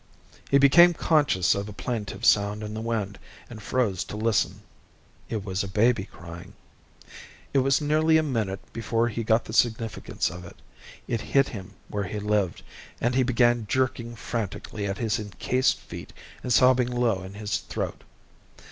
He became conscious of a plaintive sound in the wind, and froze to listen. It was a baby crying. It was nearly a minute before he got the significance of it. It hit him where he lived, and he began jerking frantically at his encased feet and sobbing low in his throat.